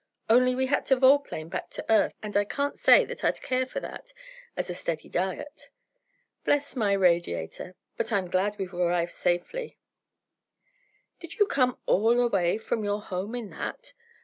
Only we had to vol plane back to earth, and I can't say that I'd care for that, as a steady diet. Bless my radiator, but I'm glad we've arrived safely." "Did you come all the way from your home in that?"